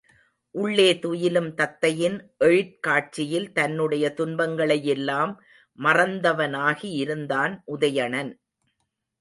உள்ளே துயிலும் தத்தையின் எழிற் காட்சியில் தன்னுடைய துன்பங்களை யெல்லாம் மறந்தவனாகி இருந்தான் உதயணன்.